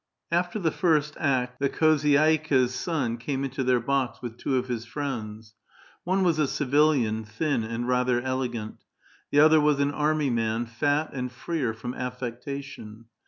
After the first act the khozydika's son came into their box with two of his friends ; one was a civilian, thin and rather elegant; the other was an army man, fat, and freer from affectation.